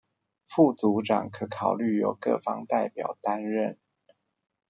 副組長可考慮由各方代表擔任